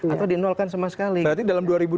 atau di nolkan sama sekali berarti dalam dua ribu dua puluh